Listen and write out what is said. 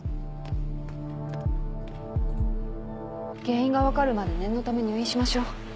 原因が分かるまで念のため入院しましょう。